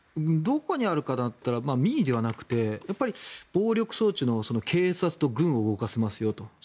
どこにあるかなって言ったら民意ではなくて暴力装置の警察と軍を動かせますよと。